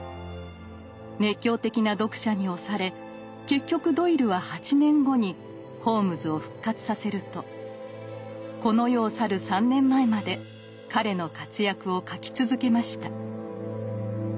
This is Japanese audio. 熱狂的な読者に押され結局ドイルは８年後にホームズを復活させるとこの世を去る３年前まで彼の活躍を書き続けました。